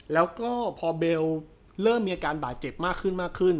แล้วก็พอเบลเริ่มมีอาการบาดเจ็บมากขึ้นมากขึ้น